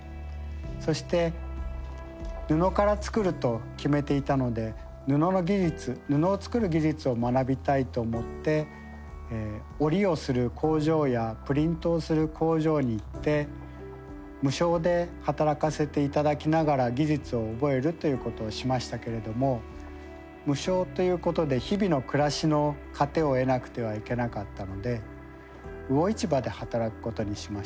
そして布から作ると決めていたので布の技術布を作る技術を学びたいと思って織りをする工場やプリントをする工場に行って無償で働かせて頂きながら技術を覚えるということをしましたけれども無償ということで日々の暮らしの糧を得なくてはいけなかったので魚市場で働くことにしました。